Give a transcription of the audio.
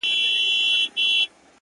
• پردې مځکه دي خزان خېمې وهلي ,